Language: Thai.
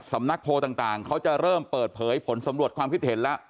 สำนักโพลต่างเขาจะเริ่มเปิดเผยผลสำรวจความคิดเห็นแล้ว